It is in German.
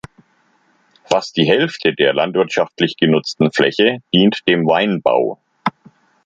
Fast die Hälfte der landwirtschaftlich genutzten Fläche dient dem Weinbau.